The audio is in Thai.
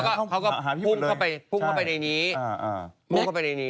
เขาก็พุ่งเข้าไปในนี้